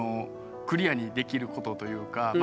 クリアにできることというかまあ